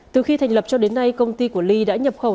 từ khi thành lập cho đến nay công ty của ly đã nhập khẩu